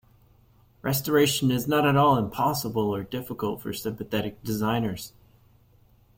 Restoration is not at all impossible or difficult for sympathetic designers.